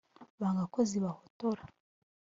Banga ko zibahotora,